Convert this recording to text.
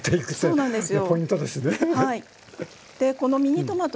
そうなんですよ。